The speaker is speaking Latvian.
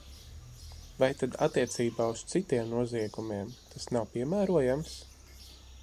Vai tad attiecībā uz citiem noziegumiem tas nav piemērojams?